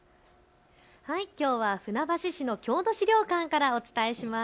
きょうは船橋市の郷土資料館からお伝えします。